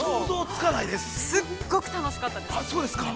◆すごく楽しかったです。